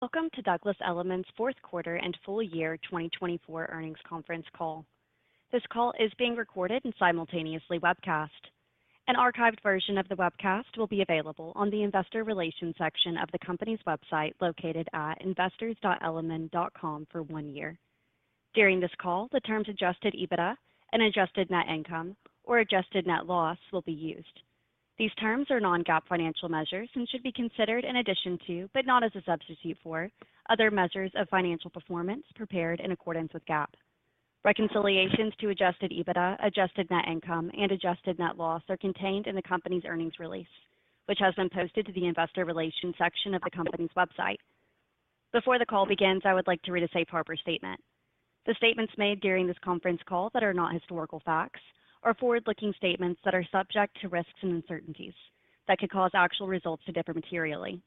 Welcome to Douglas Elliman's fourth quarter and full year 2024 earnings conference call. This call is being recorded and simultaneously webcast. An archived version of the webcast will be available on the investor relations section of the company's website located at investors.elliman.com for one year. During this call, the terms adjusted EBITDA, unadjusted net income, or adjusted net loss will be used. These terms are non-GAAP financial measures and should be considered in addition to, but not as a substitute for, other measures of financial performance prepared in accordance with GAAP. Reconciliations to adjusted EBITDA, adjusted net income, and adjusted net loss are contained in the company's earnings release, which has been posted to the investor relations section of the company's website. Before the call begins, I would like to read a safe harbor statement. The statements made during this conference call that are not historical facts are forward-looking statements that are subject to risks and uncertainties that could cause actual results to differ materially.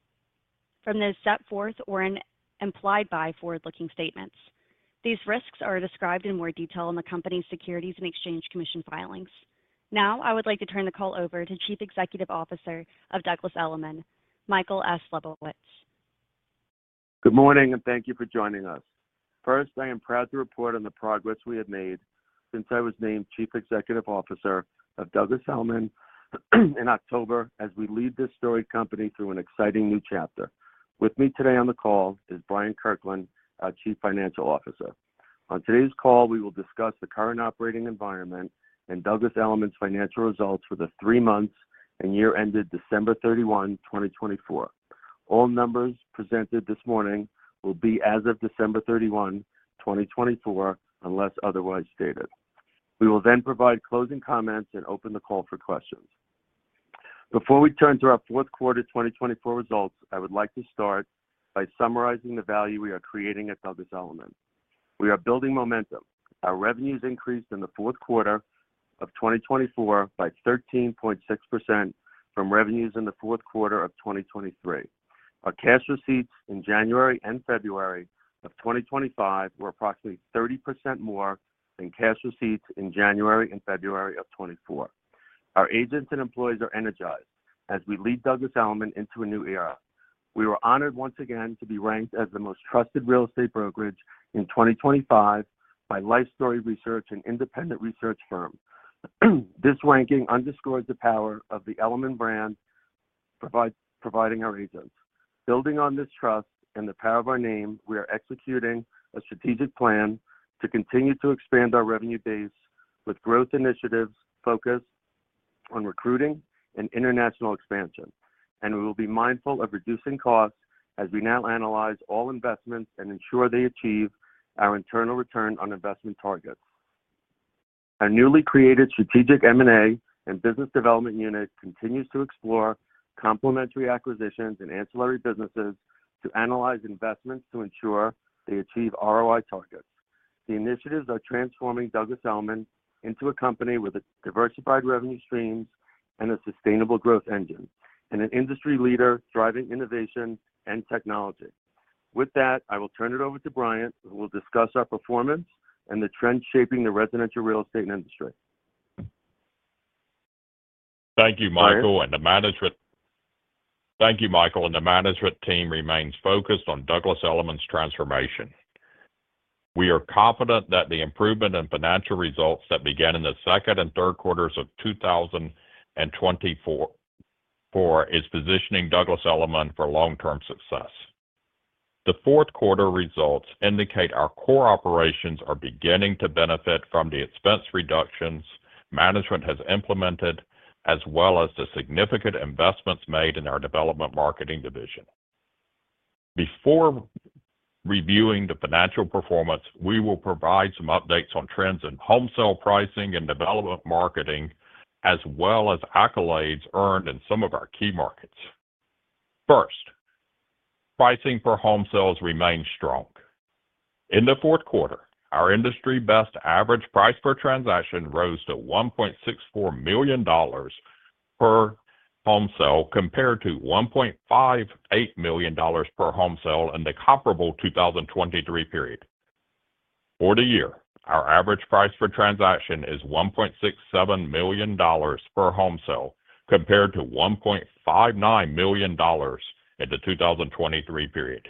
From those set forth or implied by forward-looking statements, these risks are described in more detail in the company's Securities and Exchange Commission filings. Now, I would like to turn the call over to Chief Executive Officer of Douglas Elliman, Michael S. Liebowitz. Good morning, and thank you for joining us. First, I am proud to report on the progress we have made since I was named Chief Executive Officer of Douglas Elliman in October as we lead this storied company through an exciting new chapter. With me today on the call is Bryant Kirkland, Chief Financial Officer. On today's call, we will discuss the current operating environment and Douglas Elliman's financial results for the three months and year ended December 31, 2024. All numbers presented this morning will be as of December 31, 2024, unless otherwise stated. We will then provide closing comments and open the call for questions. Before we turn to our fourth quarter 2024 results, I would like to start by summarizing the value we are creating at Douglas Elliman. We are building momentum. Our revenues increased in the fourth quarter of 2024 by 13.6% from revenues in the fourth quarter of 2023. Our cash receipts in January and February of 2025 were approximately 30% more than cash receipts in January and February of 2024. Our agents and employees are energized as we lead Douglas Elliman into a new era. We were honored once again to be ranked as the most trusted real estate brokerage in 2025 by Lifestory Research, an independent research firm. This ranking underscores the power of the Elliman brand providing our agents. Building on this trust and the power of our name, we are executing a strategic plan to continue to expand our revenue base with growth initiatives focused on recruiting and international expansion. We will be mindful of reducing costs as we now analyze all investments and ensure they achieve our internal return on investment targets. Our newly created strategic M&A and business development unit continues to explore complementary acquisitions and ancillary businesses to analyze investments to ensure they achieve ROI targets. The initiatives are transforming Douglas Elliman into a company with diversified revenue streams and a sustainable growth engine, and an industry leader driving innovation and technology. With that, I will turn it over to Bryant, who will discuss our performance and the trends shaping the residential real estate industry. Thank you, Michael, and the management team remains focused on Douglas Elliman's transformation. We are confident that the improvement in financial results that began in the second and third quarters of 2024 is positioning Douglas Elliman for long-term success. The fourth quarter results indicate our core operations are beginning to benefit from the expense reductions management has implemented, as well as the significant investments made in our development marketing division. Before reviewing the financial performance, we will provide some updates on trends in home sale pricing and development marketing, as well as accolades earned in some of our key markets. First, pricing for home sales remains strong. In the fourth quarter, our industry best average price per transaction rose to $1.64 million per home sale compared to $1.58 million per home sale in the comparable 2023 period. For the year, our average price per transaction is $1.67 million per home sale compared to $1.59 million in the 2023 period.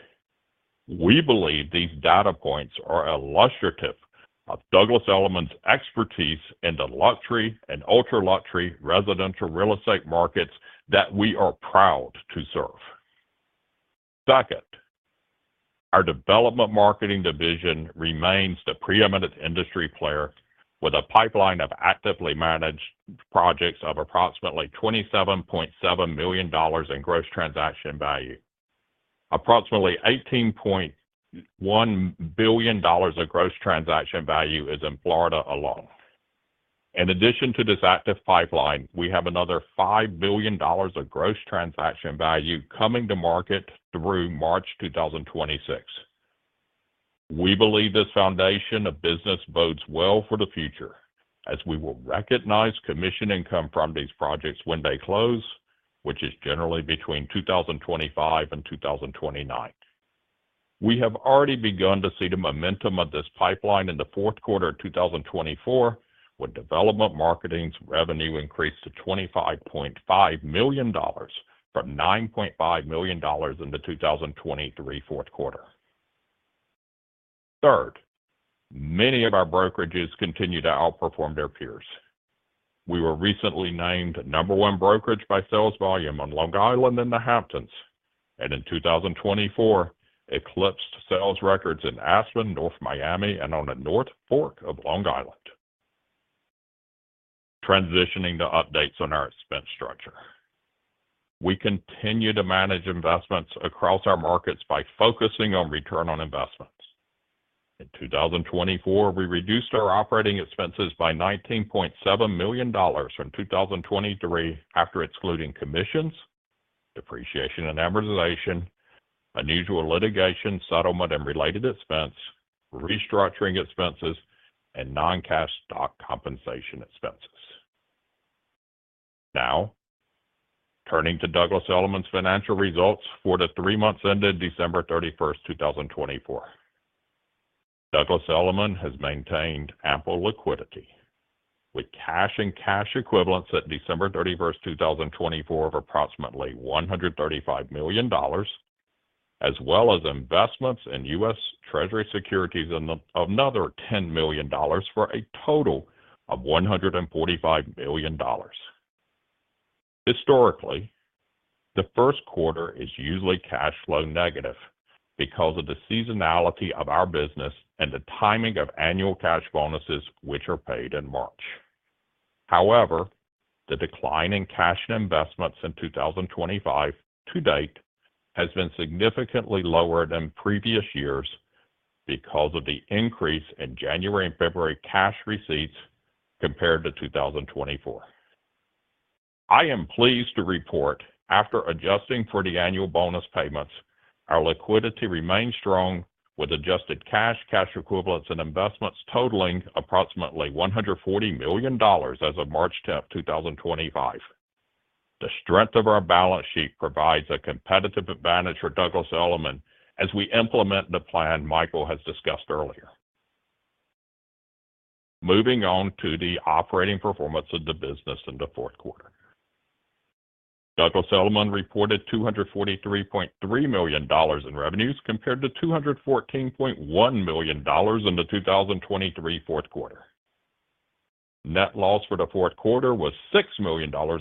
We believe these data points are illustrative of Douglas Elliman's expertise in the luxury and ultra-luxury residential real estate markets that we are proud to serve. Second, our development marketing division remains the preeminent industry player with a pipeline of actively managed projects of approximately $27.7 billion in gross transaction value. Approximately $18.1 billion of gross transaction value is in Florida alone. In addition to this active pipeline, we have another $5 billion of gross transaction value coming to market through March 2026. We believe this foundation of business bodes well for the future, as we will recognize commission income from these projects when they close, which is generally between 2025 and 2029. We have already begun to see the momentum of this pipeline in the fourth quarter of 2024, with development marketing's revenue increased to $25.5 million from $9.5 million in the 2023 fourth quarter. Third, many of our brokerages continue to outperform their peers. We were recently named number one brokerage by sales volume on Long Island and the Hamptons, and in 2024, eclipsed sales records in Aspen, North Miami, and on the North Fork of Long Island. Transitioning to updates on our expense structure. We continue to manage investments across our markets by focusing on return on investments. In 2024, we reduced our operating expenses by $19.7 million from 2023 after excluding commissions, depreciation and amortization, unusual litigation, settlement and related expense, restructuring expenses, and non-cash stock compensation expenses. Now, turning to Douglas Elliman's financial results for the three months ended December 31st, 2024. Douglas Elliman has maintained ample liquidity, with cash and cash equivalents at December 31st, 2024, of approximately $135 million, as well as investments in U.S. Treasury securities of another $10 million for a total of $145 million. Historically, the first quarter is usually cash flow negative because of the seasonality of our business and the timing of annual cash bonuses, which are paid in March. However, the decline in cash and investments in 2025 to date has been significantly lower than previous years because of the increase in January and February cash receipts compared to 2024. I am pleased to report, after adjusting for the annual bonus payments, our liquidity remains strong, with adjusted cash, cash equivalents, and investments totalling approximately $140 million as of March 10th, 2025. The strength of our balance sheet provides a competitive advantage for Douglas Elliman as we implement the plan Michael has discussed earlier. Moving on to the operating performance of the business in the fourth quarter, Douglas Elliman reported $243.3 million in revenues compared to $214.1 million in the 2023 fourth quarter. Net loss for the fourth quarter was $6 million or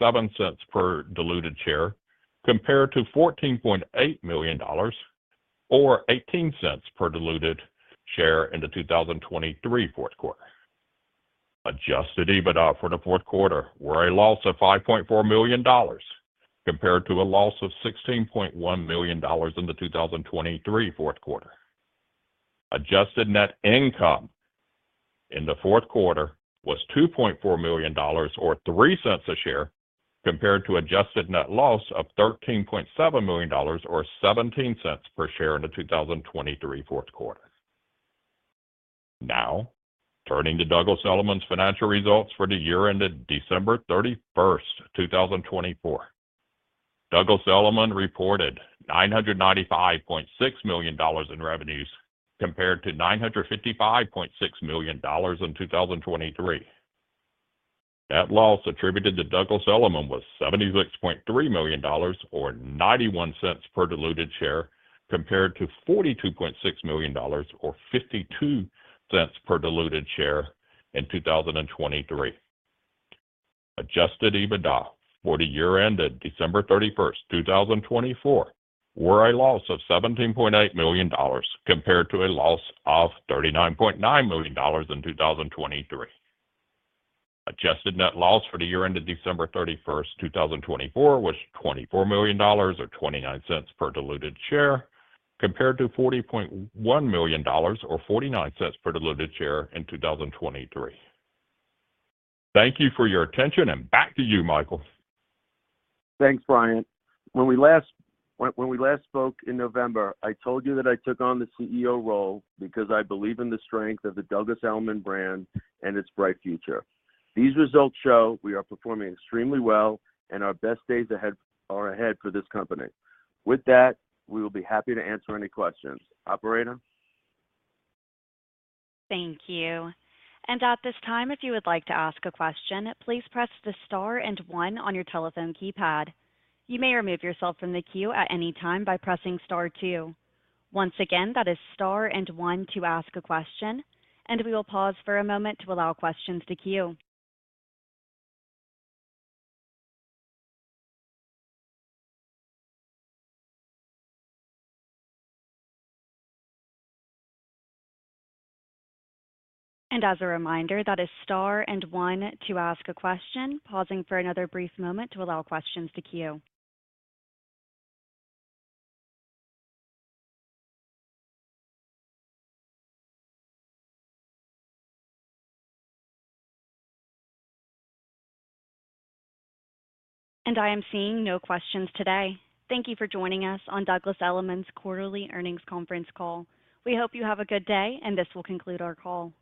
$0.07 per diluted share compared to $14.8 million or $0.18 per diluted share in the 2023 fourth quarter. Adjusted EBITDA for the fourth quarter was a loss of $5.4 million compared to a loss of $16.1 million in the 2023 fourth quarter. Adjusted net income in the fourth quarter was $2.4 million or $0.03 a share compared to adjusted net loss of $13.7 million or $0.17 per share in the 2023 fourth quarter. Now, turning to Douglas Elliman's financial results for the year-ended December 31, 2024. Douglas Elliman reported $995.6 million in revenues compared to $955.6 million in 2023. Net loss attributed to Douglas Elliman was $76.3 million or $0.91 per diluted share compared to $42.6 million or $0.52 per diluted share in 2023. Adjusted EBITDA for the year-ended December 31, 2024, was a loss of $17.8 million compared to a loss of $39.9 million in 2023. Adjusted net loss for the year-ended December 31, 2024, was $24.09 million or $0.29 per diluted share compared to $40.1 million or $0.49 per diluted share in 2023. Thank you for your attention, and back to you, Michael. Thanks, Bryant. When we last spoke in November, I told you that I took on the CEO role because I believe in the strength of the Douglas Elliman brand and its bright future. These results show we are performing extremely well, and our best days are ahead for this company. With that, we will be happy to answer any questions. Operator? Thank you. At this time, if you would like to ask a question, please press the star and one on your telephone keypad. You may remove yourself from the queue at any time by pressing star two. Once again, that is star and one to ask a question. We will pause for a moment to allow questions to queue. As a reminder, that is star and one to ask a question, pausing for another brief moment to allow questions to queue. I am seeing no questions today. Thank you for joining us on Douglas Elliman's quarterly earnings conference call. We hope you have a good day, and this will conclude our call.